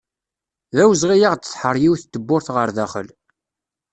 D awezɣi ad aɣ-d-tḥerr yiwet tewwurt ɣer daxel.